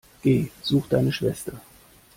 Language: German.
Geh, such deine Schwester!